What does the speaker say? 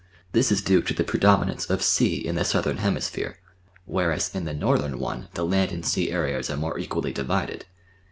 This is due to the predominance of sea in the Southern lleini sphere, whereas in the Northern one the land and sea areas are more equally divided.